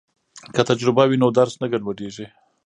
که تجربه وي نو درس نه ګډوډیږي.